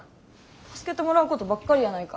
助けてもらうことばっかりやないか。